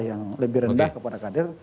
yang lebih rendah kepada kader